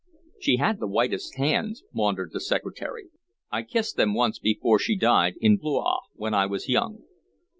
"She had the whitest hands," maundered the Secretary. "I kissed them once before she died, in Blois, when I was young.